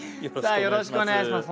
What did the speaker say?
さあよろしくお願いします